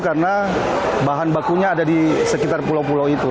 karena bahan bakunya ada di sekitar pulau pulau itu